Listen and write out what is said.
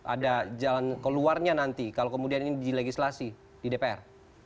ada jalan keluarnya nanti kalau kemudian ini di legislasi di dpr